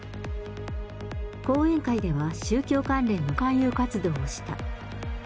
講演会では宗教関連の勧誘活動をした。